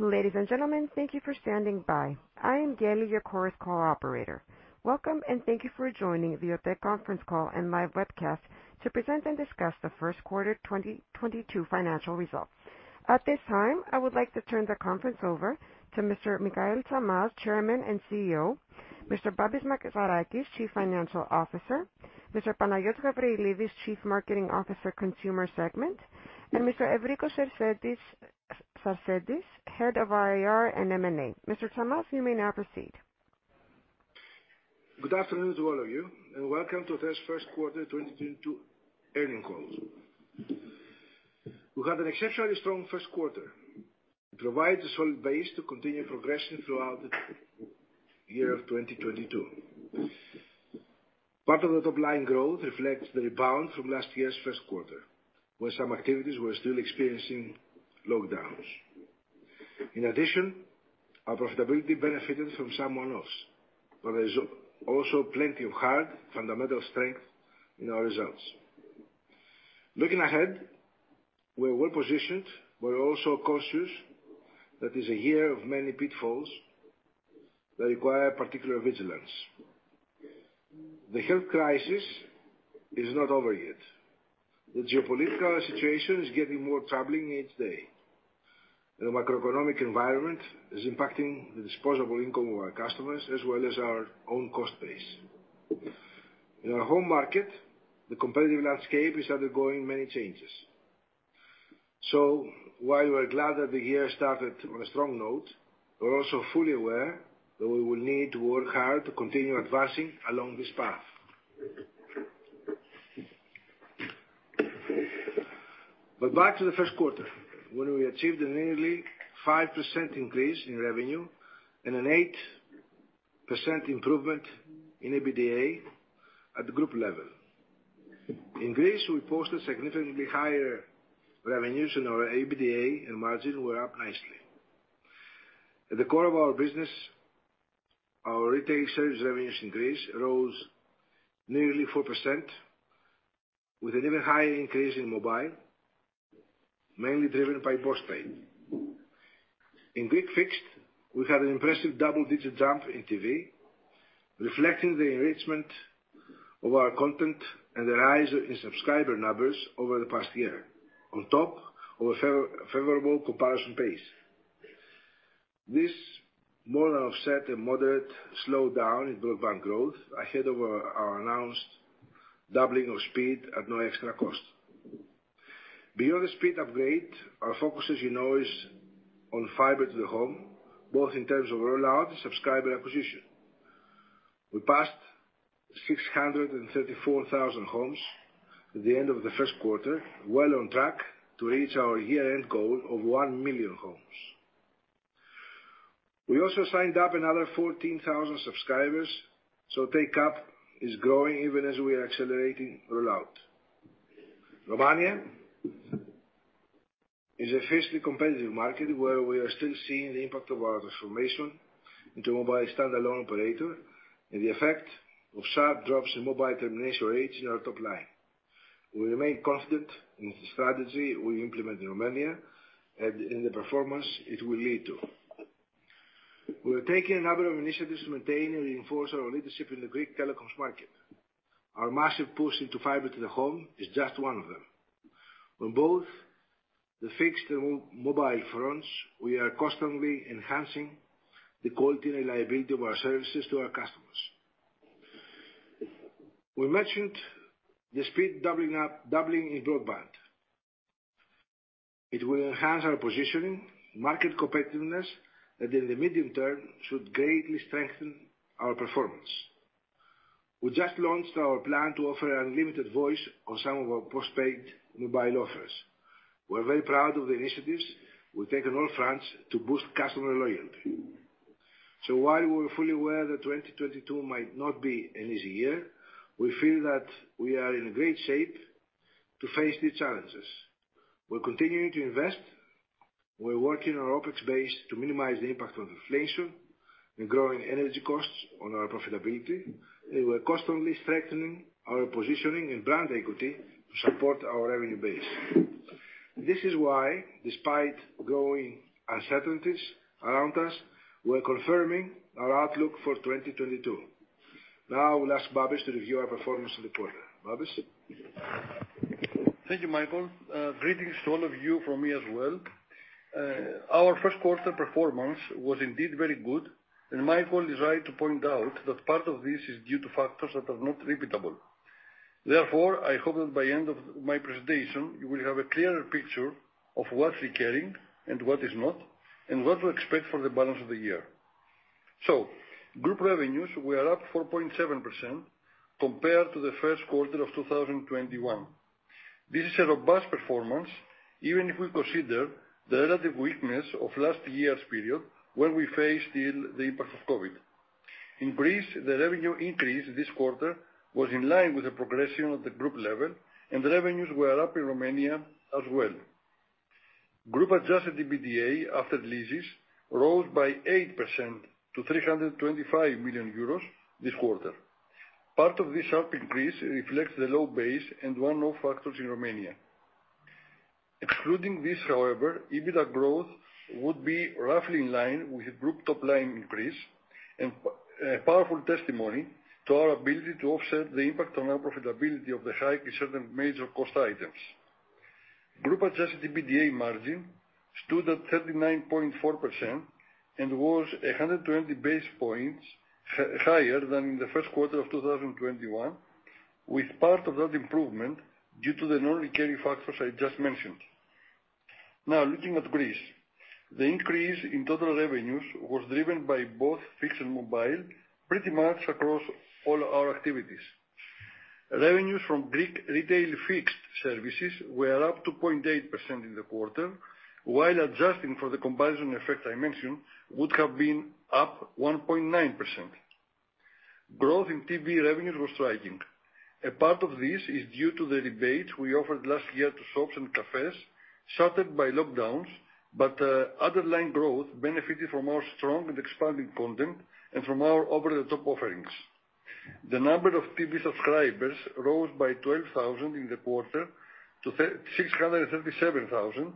Ladies and gentlemen, thank you for standing by. I am Daley, your Chorus Call operator. Welcome, and thank you for joining the OTE Conference Call and Live Webcast to present and discuss the Q1 2022 financial results. At this time, I would like to turn the conference over to Mr. Michael Tsamaz, Chairman and CEO, Mr. Babis Mazarakis, Chief Financial Officer, Mr. Panayiotis Gabrielides, Chief Marketing Officer, Consumer Segment, and Mr. Evrikos Sarsentis, Head of IR and M&A. Mr. Tsamaz, you may now proceed. Good afternoon to all of you, and welcome to this Q1 2022 earnings call. We had an exceptionally strong Q1. It provides a solid base to continue progressing throughout the year of 2022. Part of the top line growth reflects the rebound from last year's Q1, where some activities were still experiencing lockdowns. In addition, our profitability benefited from some one-offs, but there's also plenty of hard fundamental strength in our results. Looking ahead, we're well-positioned, we're also conscious that it's a year of many pitfalls that require particular vigilance. The health crisis is not over yet. The geopolitical situation is getting more troubling each day. The macroeconomic environment is impacting the disposable income of our customers, as well as our own cost base. In our home market, the competitive landscape is undergoing many changes. While we are glad that the year started on a strong note, we're also fully aware that we will need to work hard to continue advancing along this path. Back to the Q1, when we achieved a nearly 5% increase in revenue and an 8% improvement in EBITDA at the group level. In Greece, we posted significantly higher revenues and our EBITDA and margin were up nicely. At the core of our business, our retail service revenues in Greece rose nearly 4% with an even higher increase in mobile, mainly driven by postpaid. In Greek fixed, we had an impressive double-digit jump in TV, reflecting the enrichment of our content and the rise in subscriber numbers over the past year on top of a favorable comparison base. This more than offset a moderate slowdown in broadband growth ahead of our announced doubling of speed at no extra cost. Beyond the speed upgrade, our focus, as you know, is on fiber to the home, both in terms of rollout and subscriber acquisition. We passed 634,000 homes at the end of the Q1, well on track to reach our year-end goal of 1 million homes. We also signed up another 14,000 subscribers, so take-up is growing even as we are accelerating rollout. Romania is a fiercely competitive market where we are still seeing the impact of our transformation into a mobile standalone operator and the effect of sharp drops in mobile termination rates in our top line. We remain constant in the strategy we implement in Romania and the performance it will lead to. We are taking a number of initiatives to maintain and reinforce our leadership in the Greek telecoms market. Our massive push into fiber to the home is just one of them. On both the fixed and mobile fronts, we are constantly enhancing the quality and reliability of our services to our customers. We mentioned the speed doubling in broadband. It will enhance our positioning, market competitiveness, and in the medium term, should greatly strengthen our performance. We just launched our plan to offer unlimited voice on some of our postpaid mobile offers. We're very proud of the initiatives we take on all fronts to boost customer loyalty. While we're fully aware that 2022 might not be an easy year, we feel that we are in great shape to face the challenges. We're continuing to invest. We're working on our OpEx base to minimize the impact of inflation and growing energy costs on our profitability, and we're constantly strengthening our positioning and brand equity to support our revenue base. This is why, despite growing uncertainties around us, we're confirming our outlook for 2022. Now I will ask Babis Mazarakis to review our performance in the quarter. Babis Mazarakis? Thank you, Michael. Greetings to all of you from me as well. Our Q1 performance was indeed very good, and Michael is right to point out that part of this is due to factors that are not repeatable. Therefore, I hope that by end of my presentation, you will have a clearer picture of what's recurring and what is not, and what to expect for the balance of the year. Group revenues were up 4.7% compared to the Q1 of 2021. This is a robust performance, even if we consider the relative weakness of last year's period, where we faced the impact of COVID. In Greece, the revenue increase this quarter was in line with the progression of the group level and the revenues were up in Romania as well. Group adjusted EBITDA after leases rose by 8% to 325 million euros this quarter. Part of this sharp increase reflects the low base and one-off factors in Romania. Excluding this, however, EBITDA growth would be roughly in line with group top line increase and powerful testimony to our ability to offset the impact on our profitability of the hike in certain major cost items. Group adjusted EBITDA margin stood at 39.4% and was 120 basis points higher than in the Q1 of 2021, with part of that improvement due to the non-recurring factors I just mentioned. Now looking at Greece. The increase in total revenues was driven by both fixed and mobile, pretty much across all our activities. Revenues from Greek retail fixed services were up 0.8% in the quarter, while adjusting for the comparison effect I mentioned would have been up 1.9%. Growth in TV revenues was striking. A part of this is due to the rebates we offered last year to shops and cafes shuttered by lockdowns, but underlying growth benefited from our strong and expanding content and from our over-the-top offerings. The number of TV subscribers rose by 12,000 in the quarter to 637,000,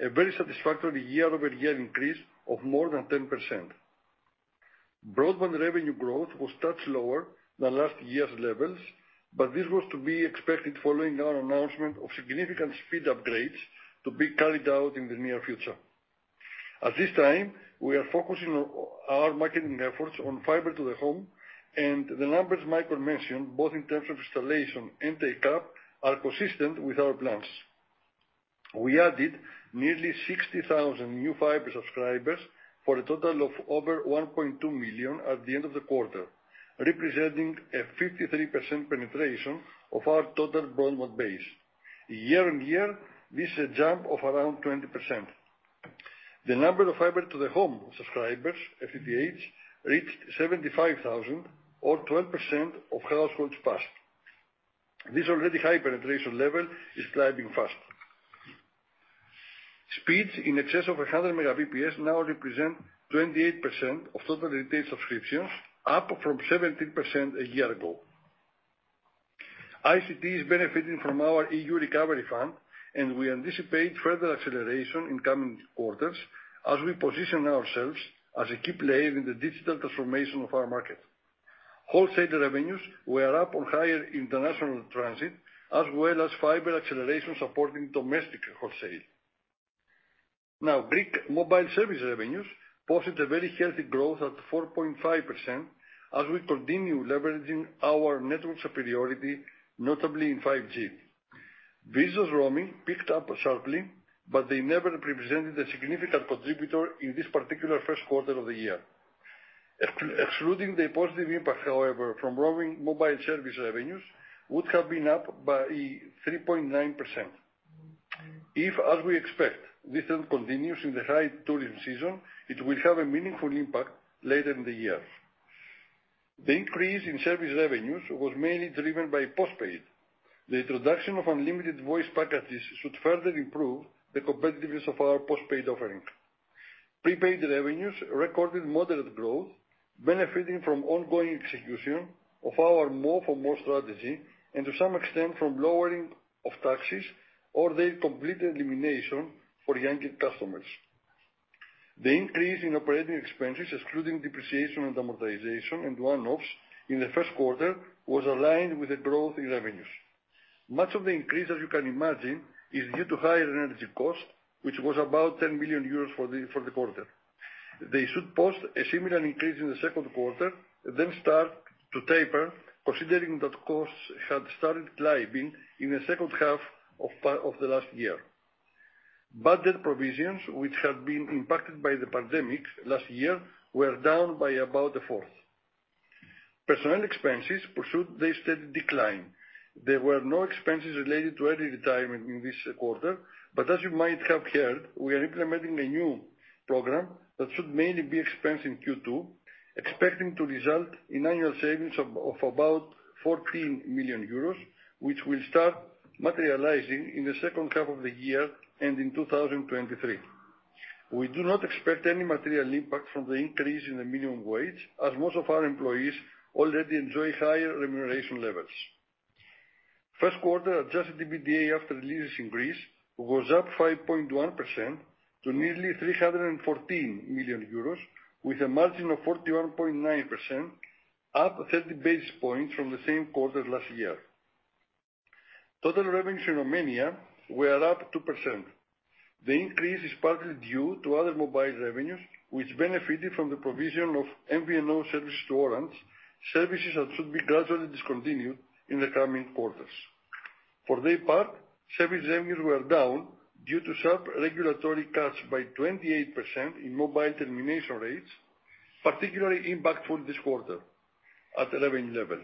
a very satisfactory year-over-year increase of more than 10%. Broadband revenue growth was a touch lower than last year's levels, but this was to be expected following our announcement of significant speed upgrades to be carried out in the near future. At this time, we are focusing our marketing efforts on fiber to the home, and the numbers Michael mentioned, both in terms of installation and take-up, are consistent with our plans. We added nearly 60,000 new fiber subscribers for a total of over 1.2 million at the end of the quarter, representing a 53% penetration of our total broadband base year-on-year. This is a jump of around 20%. The number of fiber to the home subscribers, FTTH, reached 75,000 or 12% of households passed. This already high penetration level is climbing fast. Speeds in excess of 100 Mbps now represent 28% of total retail subscriptions, up from 17% a year ago. ICT is benefiting from our EU Recovery Fund and we anticipate further acceleration in coming quarters as we position ourselves as a key player in the digital transformation of our market. Wholesale revenues were up on higher international transit, as well as fiber acceleration supporting domestic wholesale. Now, Greek mobile service revenues posted a very healthy growth at 4.5% as we continue leveraging our network superiority, notably in 5G. Business roaming picked up sharply, but they never represented a significant contributor in this particular Q1 of the year. Excluding the positive impact, however, from roaming mobile service revenues would have been up by 3.9%. If, as we expect, this trend continues in the high tourism season, it will have a meaningful impact later in the year. The increase in service revenues was mainly driven by postpaid. The introduction of unlimited voice packages should further improve the competitiveness of our postpaid offering. Prepaid revenues recorded moderate growth, benefiting from ongoing execution of our more for more strategy, and to some extent from lowering of taxes or the complete elimination for younger customers. The increase in operating expenses, excluding depreciation and amortization and one-offs in the Q1, was aligned with the growth in revenues. Much of the increase, as you can imagine, is due to higher energy costs, which was about 10 million euros for the quarter. They should post a similar increase in the Q2 and then start to taper, considering that costs had started climbing in the H2 of the last year. Budget provisions, which had been impacted by the pandemic last year, were down by about a fourth. Personnel expenses pursued their steady decline. There were no expenses related to early retirement in this quarter, but as you might have heard, we are implementing a new program that should mainly be expensed in Q2, expecting to result in annual savings of about 14 million euros, which will start materializing in the H2 of the year and in 2023. We do not expect any material impact from the increase in the minimum wage, as most of our employees already enjoy higher remuneration levels. Q1 adjusted EBITDA after leases increase was up 5.1% to nearly 314 million euros, with a margin of 41.9%, up 30 basis points from the same quarter last year. Total revenues in Romania were up 2%. The increase is partly due to other mobile revenues, which benefited from the provision of MVNO services to Orange, services that should be gradually discontinued in the coming quarters. For their part, service revenues were down due to sharp regulatory cuts by 28% in mobile termination rates, particularly impactful this quarter at revenue level.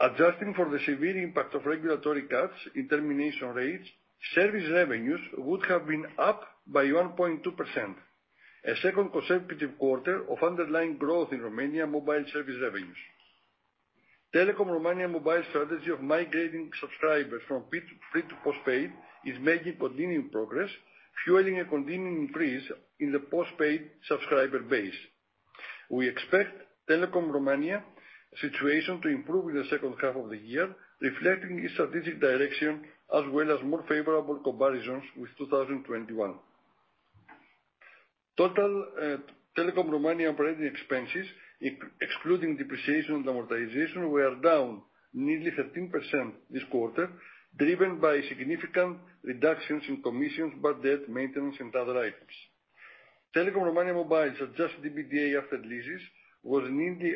Adjusting for the severe impact of regulatory cuts in termination rates, service revenues would have been up by 1.2%. A second consecutive quarter of underlying growth in Romanian mobile service revenues. Telekom Romania Mobile strategy of migrating subscribers from prepaid to postpaid is making continuing progress, fueling a continuing increase in the postpaid subscriber base. We expect Telekom Romania Mobile situation to improve in the H2 of the year, reflecting its strategic direction as well as more favorable comparisons with 2021. Total, Telekom Romania operating expenses excluding depreciation and amortization were down nearly 13% this quarter, driven by significant reductions in commissions, bad debt, maintenance and other items. Telekom Romania Mobile's adjusted EBITDA after leases was up nearly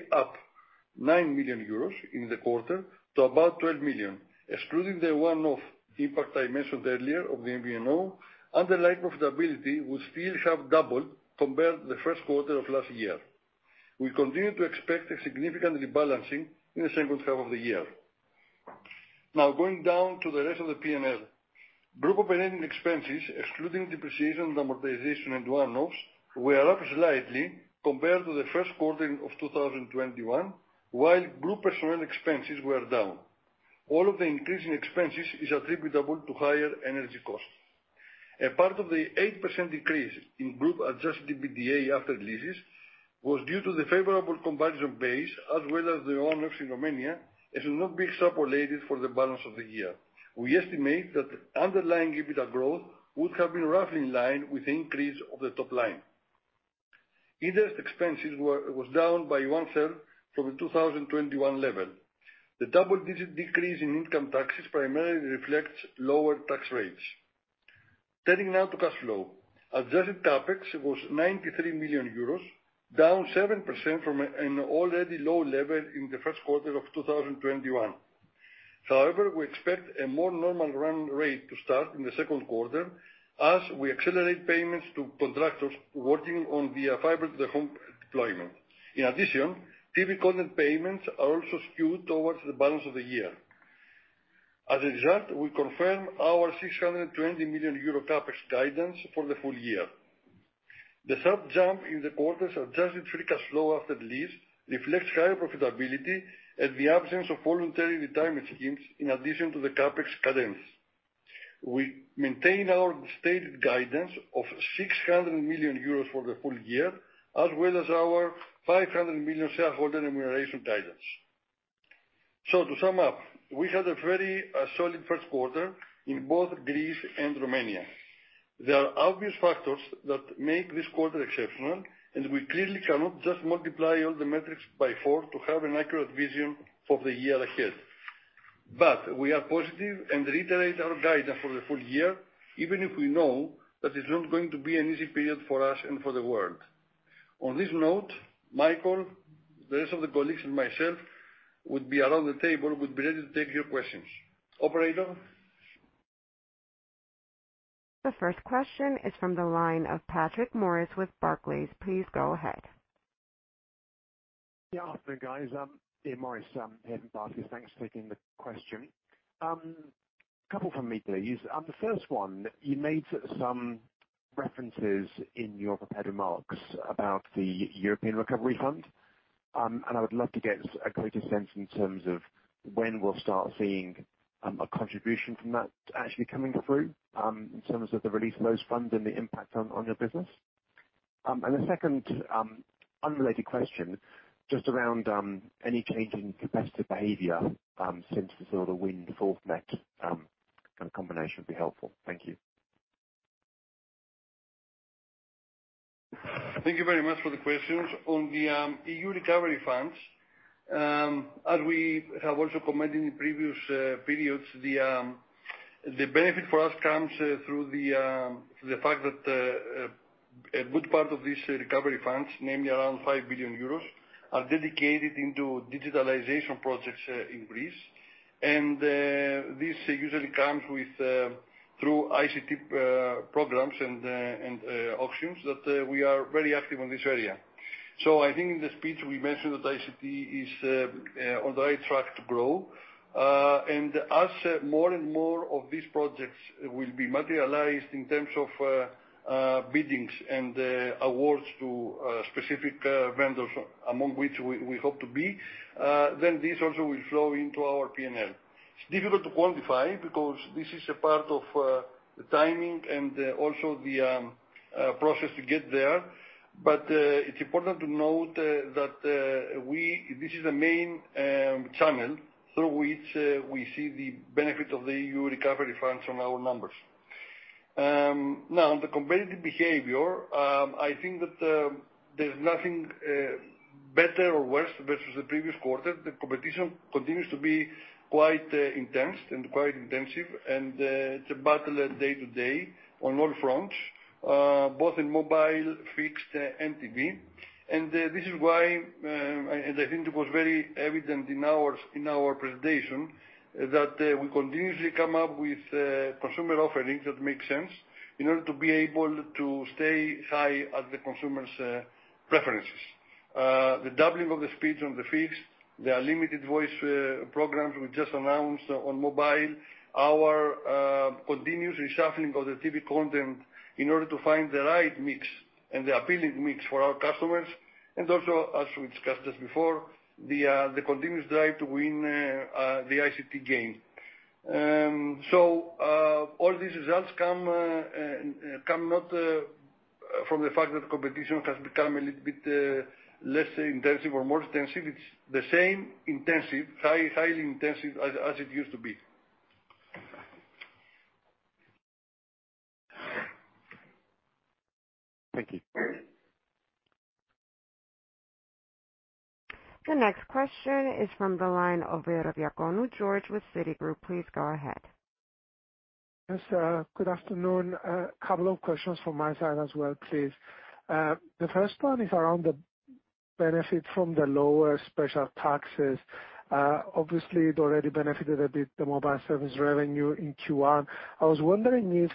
9 million euros in the quarter to about 12 million, excluding the one-off impact I mentioned earlier of the MVNO. Underlying profitability would still have doubled compared to the Q1 of last year. We continue to expect a significant rebalancing in the H2 of the year. Now going down to the rest of the P&L. Group operating expenses excluding depreciation and amortization and one-offs were up slightly compared to the Q1 of 2021, while group personnel expenses were down. All of the increase in expenses is attributable to higher energy costs. A part of the 8% decrease in group adjusted EBITDA after leases was due to the favorable comparison base as well as the one-off in Romania and should not be extrapolated for the balance of the year. We estimate that underlying EBITDA growth would have been roughly in line with the increase of the top line. Interest expenses was down by 1/3 from the 2021 level. The double-digit decrease in income taxes primarily reflects lower tax rates. Turning now to cash flow. Adjusted CapEx was 93 million euros, down 7% from an already low level in the Q1 of 2021. However, we expect a more normal run rate to start in the Q2 as we accelerate payments to contractors working on via fiber to the home deployment. In addition, TV content payments are also skewed towards the balance of the year. As a result, we confirm our 620 million euro CapEx guidance for the full year. The sharp jump in the quarter's adjusted free cash flow after lease reflects higher profitability and the absence of voluntary retirement schemes in addition to the CapEx cadence. We maintain our stated guidance of 600 million euros for the full year, as well as our 500 million shareholder remuneration guidance. To sum up, we had a very solid Q1 in both Greece and Romania. There are obvious factors that make this quarter exceptional, and we clearly cannot just multiply all the metrics by four to have an accurate vision of the year ahead. We are positive and reiterate our guidance for the full year, even if we know that it's not going to be an easy period for us and for the world. On this note, Michael, the rest of the colleagues and myself would be around the table, would be ready to take your questions. Operator? The first question is from the line of Patrick Maurice with Barclays. Please go ahead. Yeah. Afternoon, guys. Maurice Patrick here from Barclays. Thanks for taking the question. Coming from me, please, the first one, you made some references in your prepared remarks about the EU Recovery Fund. I would love to get a greater sense in terms of when we'll start seeing a contribution from that actually coming through in terms of the release of those funds and the impact on your business. A second unrelated question just around any change in competitive behavior since the sort of Wind/Forthnet kind of combination would be helpful. Thank you. Thank you very much for the questions. On the EU Recovery Fund, as we have also commented in previous periods, the benefit for us comes through the fact that a good part of these recovery funds, namely around 5 billion euros, are dedicated into digitalization projects in Greece. This usually comes with through ICT programs and auctions that we are very active on this area. I think in the speech we mentioned that ICT is on the right track to grow. As more and more of these projects will be materialized in terms of biddings and awards to specific vendors among which we hope to be, then this also will flow into our P&L. It's difficult to quantify because this is a part of the timing and also the process to get there. It's important to note that we see the benefit of the EU Recovery funds on our numbers. Now the competitive behavior, I think that there's nothing better or worse versus the previous quarter. The competition continues to be quite intense and quite intensive. It's a battle day-to-day on all fronts, both in mobile, fixed and TV. This is why, and I think it was very evident in our presentation, that we continuously come up with consumer offerings that make sense in order to be able to stay high at the consumer's preferences. The doubling of the speeds on the fixed, the unlimited voice programs we just announced on mobile, our continuous reshuffling of the TV content in order to find the right mix and the appealing mix for our customers, and also, as we discussed just before, the continuous drive to win the ICT game. All these results come not from the fact that competition has become a little bit less intensive or more intensive. It's the same intensive, highly intensive as it used to be. Thank you. The next question is from the line of Lerodiaconou Georgios with Citigroup. Please go ahead. Yes, good afternoon. A couple of questions from my side as well, please. The first one is around the benefit from the lower special taxes. Obviously, it already benefited a bit the mobile service revenue in Q1. I was wondering if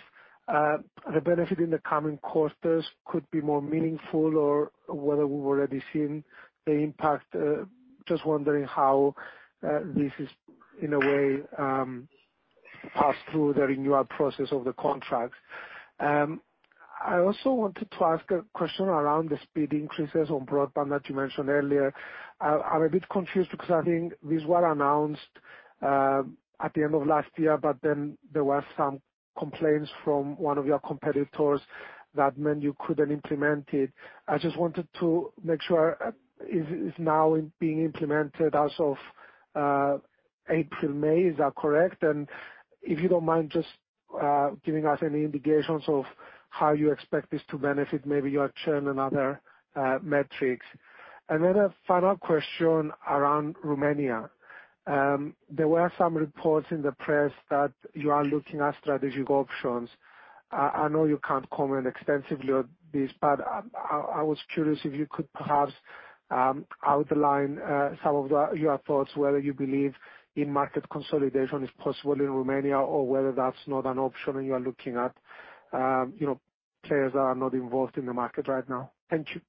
the benefit in the coming quarters could be more meaningful or whether we've already seen the impact. Just wondering how this is, in a way, passed through the renewal process of the contract. I also wanted to ask a question around the speed increases on broadband that you mentioned earlier. I'm a bit confused because I think these were announced at the end of last year, but then there were some complaints from one of your competitors that meant you couldn't implement it. I just wanted to make sure is now being implemented as of April, May. Is that correct? If you don't mind just giving us any indications of how you expect this to benefit maybe your churn and other metrics. Another follow-up question around Romania. There were some reports in the press that you are looking at strategic options. I know you can't comment extensively on this, but I was curious if you could perhaps outline some of your thoughts, whether you believe in market consolidation is possible in Romania or whether that's not an option and you are looking at, you know players that are not involved in the market right now. Thank you.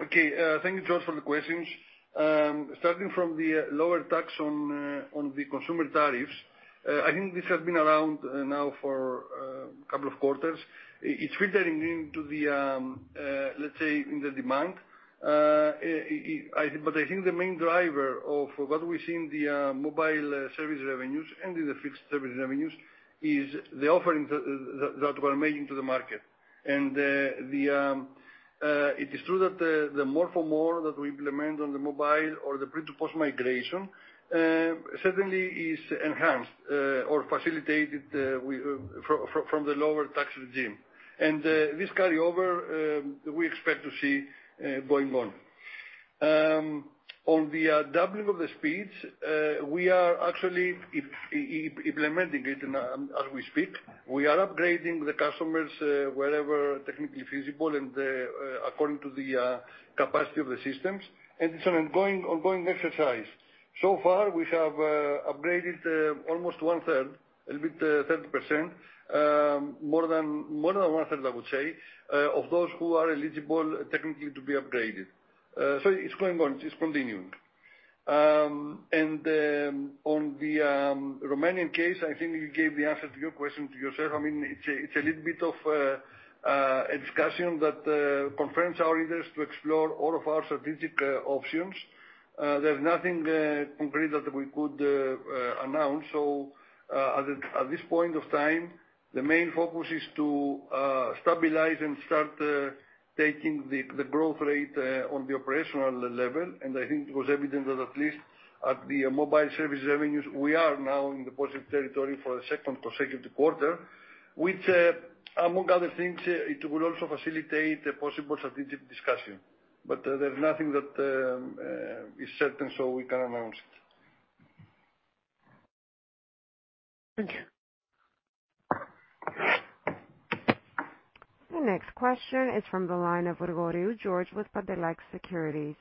Okay. Thank you, George, for the questions. Starting from the lower tax on the consumer tariffs, I think this has been around now for a couple of quarters. It's filtering into the, let's say, the demand. I think the main driver of what we see in the mobile service revenues and in the fixed service revenues is the offerings that we're making to the market. It is true that the more for more that we implement on the mobile or the pre to post migration certainly is enhanced or facilitated from the lower tax regime. This carryover, we expect to see going on. On the doubling of the speeds, we are actually implementing it now, as we speak. We are upgrading the customers wherever technically feasible and according to the capacity of the systems, and it's an ongoing exercise. So far we have upgraded almost one-third, a little bit, 30%, more than one-third, I would say, of those who are eligible technically to be upgraded. So it's going on. It's continuing. On the Romanian case, I think you gave the answer to your question to yourself. I mean, it's a little bit of a discussion that confirms our interest to explore all of our strategic options. There's nothing concrete that we could announce. At this point of time, the main focus is to stabilize and start taking the growth rate on the operational level, and I think it was evident that at least at the mobile service revenues, we are now in the positive territory for a second consecutive quarter, which among other things it will also facilitate a possible strategic discussion. There's nothing that is certain, so we can't announce it. Thank you. The next question is from the line of Grigoriou George with Pantelakis Securities.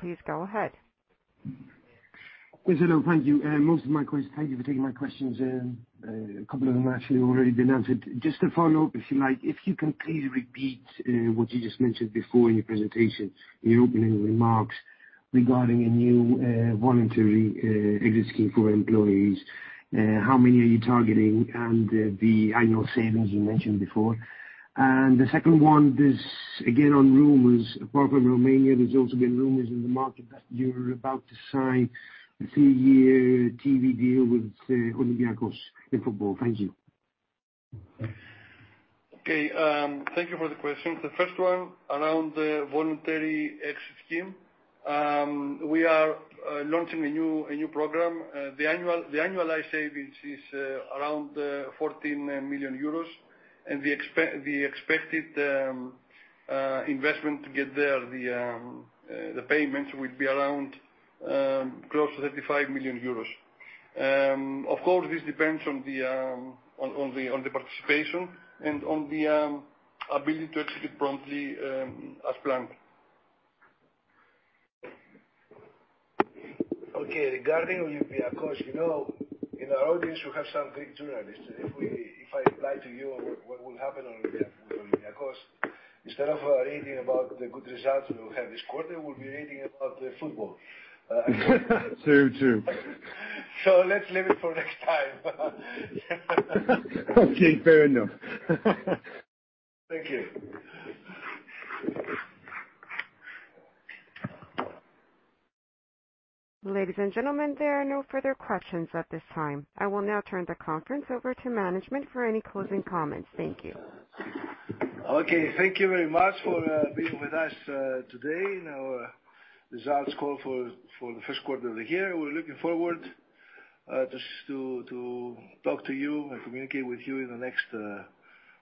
Please go ahead. [inaudible] thank you. Thank you for taking my questions, a couple of them actually already been answered. Just to follow up, if you like, if you can please repeat what you just mentioned before in your presentation, in your opening remarks regarding a new voluntary exit scheme for employees, how many are you targeting and the annual savings you mentioned before? The second one is, again, on rumors. Apart from Romania, there's also been rumors in the market that you're about to sign a three-year TV deal with Olympiacos in football. Thank you. Okay. Thank you for the questions. The first one around the voluntary exit scheme. We are launching a new program. The annualized savings is around 14 million euros, and the expected investment to get there, the payments will be around close to 35 million euros. Of course, this depends on the participation and on the ability to execute promptly as planned. Okay, regarding Olympiacos, you know, in our audience we have some Greek journalists. If I reply to you on what will happen with Olympiacos, instead of reading about the good results we will have this quarter, we'll be reading about the football. True, true. Let's leave it for next time. Okay, fair enough. Thank you. Ladies and gentlemen, there are no further questions at this time. I will now turn the conference over to management for any closing comments. Thank you. Okay. Thank you very much for being with us today in our results call for the Q1 of the year. We're looking forward just to talk to you and communicate with you in the next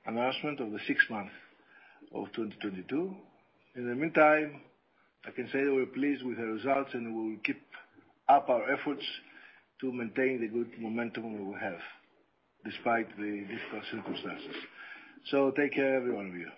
announcement of the sixth month of 2022. In the meantime, I can say that we're pleased with the results, and we will keep up our efforts to maintain the good momentum we have despite the difficult circumstances. Take care everyone of you.